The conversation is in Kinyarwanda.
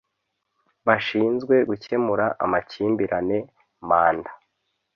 bashinzwe gukemura makimbirane Manda